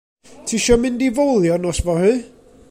Tisio mynd i fowlio nos fory?